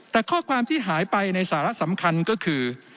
แต่ข้อความที่หายไปในสาระสำคัญก็คือ